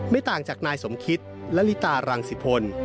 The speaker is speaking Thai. ไม่ต่างจากนายสมคิตและลิตารังสิพล